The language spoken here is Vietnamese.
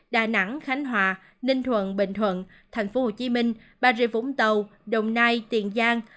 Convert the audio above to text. đà nẵng khánh hòa ninh thuận bình thuận tp hcm bà rịa vũng tàu đồng nai tiền giang